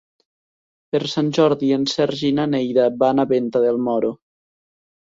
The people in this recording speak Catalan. Per Sant Jordi en Sergi i na Neida van a Venta del Moro.